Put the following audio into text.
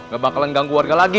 gak bakalan ganggu warga lagi